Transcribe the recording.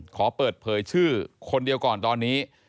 ขอเปิดเผยชื่อคนเดียวก่อนตอนนี้